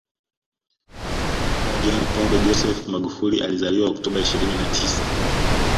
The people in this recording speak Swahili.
Daktari John Pombe Joseph Magufuli alizaliwa Oktoba ishirini na tisa